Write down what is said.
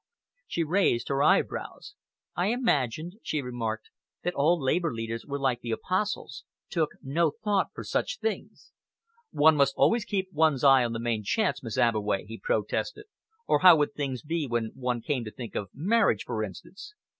She raised her eyebrows. "I imagined," she remarked, "that all Labour leaders were like the Apostles took no thought for such things." "One must always keep one's eye on the main chance; Miss Abbeway," he protested, "or how would things be when one came to think of marriage, for instance?"